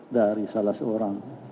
dari salah seorang